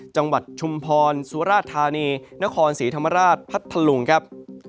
ชุมพรสุราธานีนครศรีธรรมราชพัทธลุงครับ